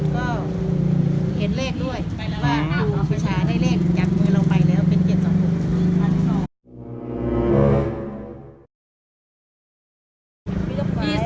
ก็เห็นเลขด้วยว่าครูปิชาได้เลขจากมือเราไปแล้วเป็นเกียรติ๒๖